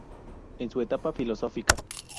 Es su etapa filosófica.